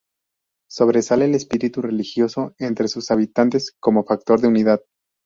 Sobresale el espíritu religioso entre sus habitantes, como factor de unidad.